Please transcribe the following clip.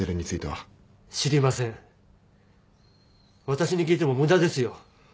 私に聞いても無駄ですよ。